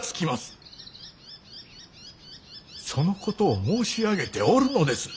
そのことを申し上げておるのです。